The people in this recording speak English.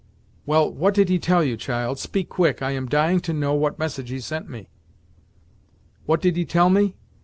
"Well, what did he tell you, child? Speak quick; I am dying to know what message he sent me." "What did he tell me?